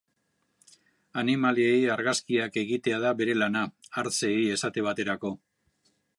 Animaliei argazkiak egitea da bere lana, hartzei esate baterako.